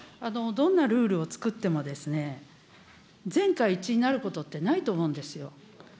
どんなルールをつくっても、全会一致になることってないと思うんですよ。